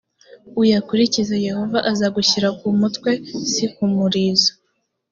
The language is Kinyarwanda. uyakurikize yehova azagushyira ku mutwe si ku murizo